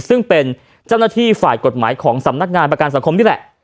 ซึ่งเป็นเจ้าหน้าที่ฝ่ายกฎหมายของสำนักงานประกันสังคมนี่แหละ